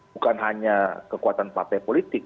bukan hanya kekuatan partai politik